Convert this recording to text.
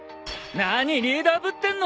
何リーダーぶってんの？